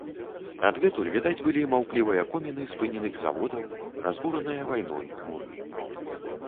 Адгэтуль відаць былі маўклівыя коміны спыненых заводаў, разбураныя вайной муры.